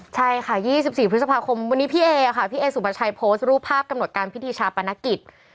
ใช่ค่ะ๒๔พฤษภาคมวันนี้พี่เอค่ะพี่เอสุภาชัยโพสต์รูปภาพกำหนดการพิธีชาปนกิจ